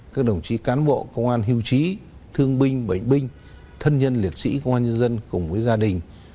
các đồng chí cán bộ công an hiêu trí thương binh bệnh binh thân nhân liệt sĩ công an nhân dân cùng với gia đình